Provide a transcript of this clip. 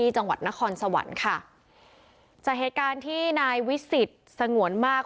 จังหวัดนครสวรรค์ค่ะจากเหตุการณ์ที่นายวิสิทธิ์สงวนมาก